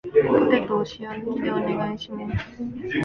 ポテトを塩抜きでお願いします